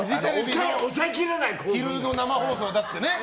昼の生放送ってね。